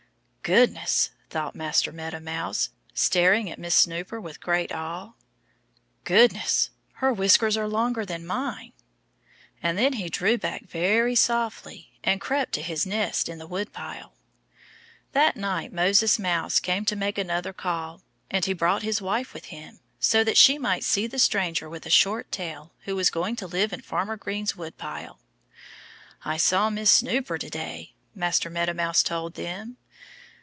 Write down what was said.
"Goodness!" thought Master Meadow Mouse, staring at Miss Snooper with great awe. "Goodness! Her whiskers are longer than mine!" And then he drew back very softly and crept to his nest in the woodpile. That night Moses Mouse came to make another call. And he brought his wife with him, so that she might see the stranger with the short tail who was going to live in Farmer Green's woodpile. "I saw Miss Snooper to day," Master Meadow Mouse told them.